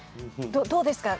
どうですか？